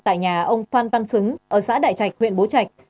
tại nhà ông phan văn xứng ở xã đại trạch huyện bố trạch